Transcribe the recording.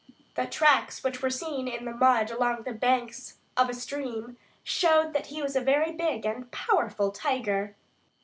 The tracks which were seen in the mud along the banks of a stream showed that he was a very big and powerful tiger.